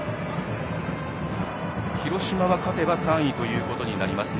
広島が勝てば３位ということになります。